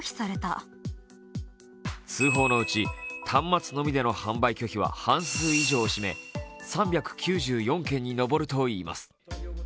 端末のみでの販売拒否は半数以上を占め、３９４件に上るといいます。